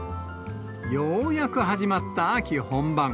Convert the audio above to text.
ようやく始まった秋本番。